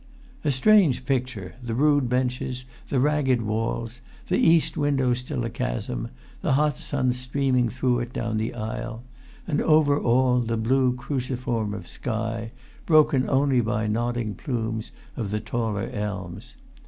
A strange picture, the rude benches, the ragged walls; the east window still a chasm, the hot sun streaming through it down the aisle; and over all the blue cruciform of sky, broken only by the nodding plumes of the taller elms.